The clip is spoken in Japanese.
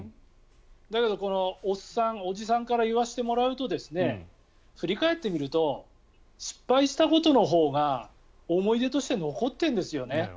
だけどおじさんから言わせてもらうと振り返ってみると失敗したことのほうが思い出として残ってるんですよね。